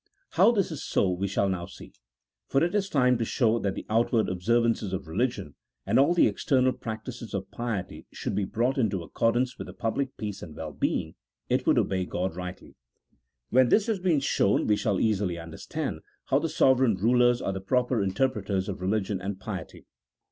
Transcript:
How this is so we shall now see, for it is time to show that the outward observances of religion, and all the external practices of piety should be brought into accor dance with the public peace and well being if we would obey G od rightly. When this has been shown we shall easily understand how the sovereign rulers are the proper interpreters of religion and piety.